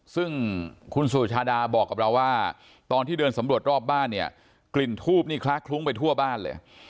ซึ่งคุณสุชาดาบอกกับเราว่าตอนที่เดินสำรวจรอบบ้านเนี่ยกลิ่นทูบนี่คล้าคลุ้งไปทั่วบ้านเลย